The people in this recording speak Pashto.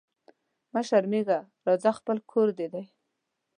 مه شرمېږه راځه خپل کور دي دی